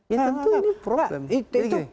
ya tentu ini problem